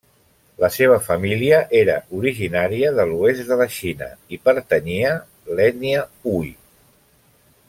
La seva família era originària de l'oest de la Xina i pertanyia l'ètnia Hui.